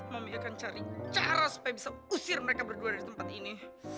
mami akan cari cara supaya bisa usir mereka berdua dari tempat ini